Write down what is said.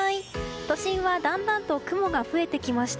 都心はだんだんと雲が増えてきました。